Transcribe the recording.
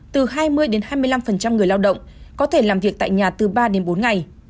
từ hai mươi hai mươi năm người lao động có thể làm việc tại nhà từ ba đến bốn ngày